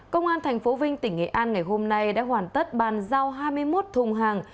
công an tp vinh tỉnh nghệ an ngày hôm nay đã hoàn tất bàn giao hai mươi một thùng hàng